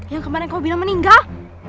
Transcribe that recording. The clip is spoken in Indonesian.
yang kemarin kau bilang meninggal